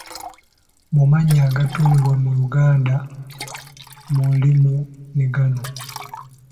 Mu mannya agatuumibwa mu Luganda mulimu ne gano.